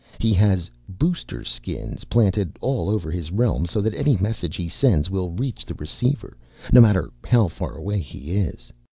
He has booster Skins planted all over his realm so that any message he sends will reach the receiver, no matter how far away he is.